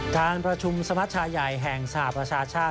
การประชุมสมัชชาใหญ่แห่งสหประชาชาติ